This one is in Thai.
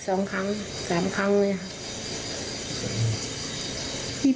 จับสองครั้งสามครั้งเลยครับ